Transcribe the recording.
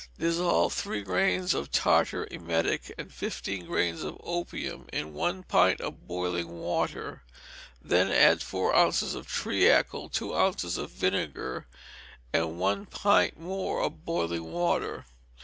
Dissolve three grains of tartar emetic and fifteen grains of opium in one pint of boiling water, then add four ounces of treacle, two ounces of vinegar, and one pint more of boiling water.